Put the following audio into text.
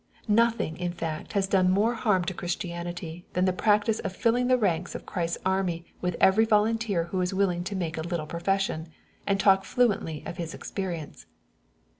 Nothing, in fact, has done more harm to Christianity than the practice of filling the ranks of Christ's army with every volunteer who is willing to make a little profession, and talk fluently of his experience.